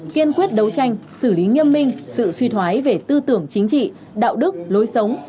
kiên quyết đấu tranh xử lý nghiêm minh sự suy thoái về tư tưởng chính trị đạo đức lối sống